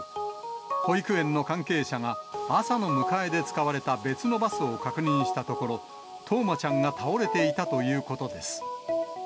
保育園の関係者が朝の迎えで使われた別のバスを確認したところ、冬生ちゃんが倒れていたということです。